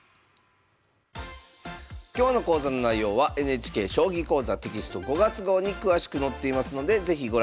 今日の講座の内容はＮＨＫ「将棋講座」テキスト５月号に詳しく載っていますので是非ご覧ください。